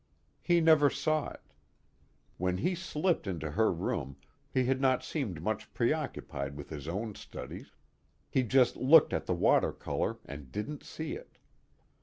He never saw it. When he slipped into her room he had not seemed much preoccupied with his own studies; he just looked at the watercolor and didn't see it.